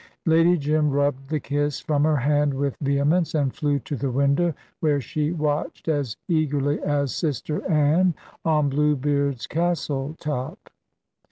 Lady Jim rubbed the kiss from her hand with vehemence, and flew to the window, where she watched as eagerly as Sister Anne on Bluebeard's castle top.